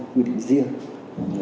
quy định riêng